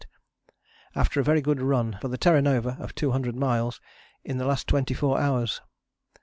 after a very good run, for the Terra Nova, of 200 miles in the last twenty four hours.